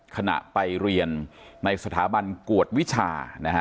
ขณะไปเรียนในสถาบันกวดวิชานะฮะ